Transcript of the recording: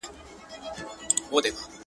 • چي هر څوک پر لاري ځي ده ته عیبجن وي -